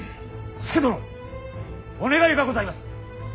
佐殿お願いがございます。